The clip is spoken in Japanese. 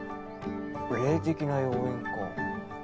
霊的な要因か。